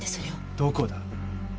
どこだ？